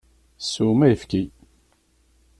Swem ayefki!